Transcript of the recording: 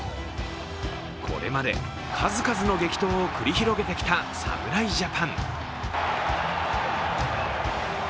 これまで数々の激闘を繰り広げてきた侍ジャパン。